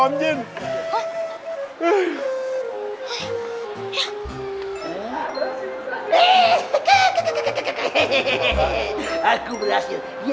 om jin mau berhasil